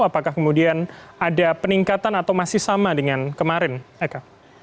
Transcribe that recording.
apakah kemudian ada peningkatan atau masih sama dengan kemarin eka